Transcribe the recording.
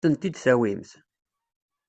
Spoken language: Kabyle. Ad as-tent-id-tawimt?